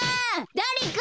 だれか！